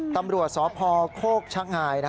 ตำรัวสพโคกช่างหาย